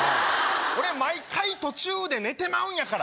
俺毎回途中で寝てまうんやから。